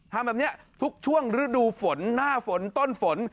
ทำแบบนี้ทุกช่วงฤดูฝนหน้าฝนต้นฝน